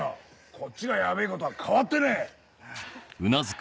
こっちがヤベェことは変わってねえ！